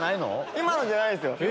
今のじゃないんすよ。